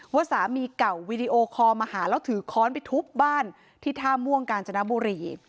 ว่าสามีเก่าวีดีโอคอลมาหาแล้วถือค้อนไปทุบบ้านที่ท่าม่วงกาญจนบุรี